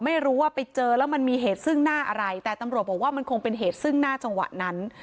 ไม่รู้ว่าไปเจอแล้วมันมีเหตุซึ่งหน้าอะไรแต่ตำรวจบอกว่ามันคงเป็นเหตุซึ่งหน้าจังหวะนั้น